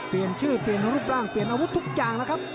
เปลี่ยนชื่อเปลี่ยนรูปร่างเปลี่ยนอาวุธทุกอย่างแล้วครับ